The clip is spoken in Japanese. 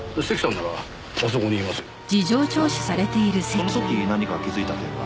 その時何か気づいた点は？